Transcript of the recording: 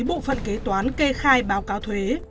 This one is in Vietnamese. bộ phận kế toán kê khai báo cáo thuế